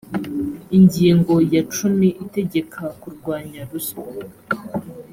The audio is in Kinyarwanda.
ingingo ya cumi itegeka kurwanya ruswa